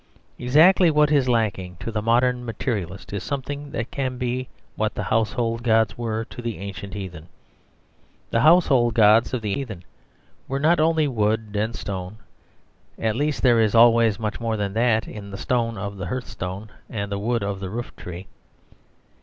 Exactly what is lacking to the modern materialist is something that can be what the household gods were to the ancient heathen. The household gods of the heathen were not only wood and stone; at least there is always more than that in the stone of the hearth stone and the wood of the roof tree.